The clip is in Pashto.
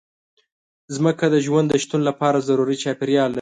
مځکه د ژوند د شتون لپاره ضروري چاپېریال لري.